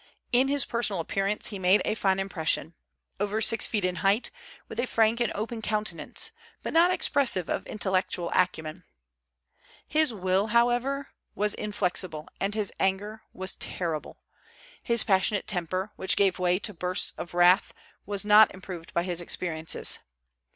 In his personal appearance he made a fine impression, over six feet in height, with a frank and open countenance, but not expressive of intellectual acumen. His will, however, was inflexible, and his anger was terrible. His passionate temper, which gave way to bursts of wrath, was not improved by his experiences.